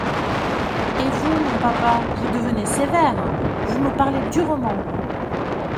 Et vous, mon papa, vous devenez sévère !… vous me parlez durement.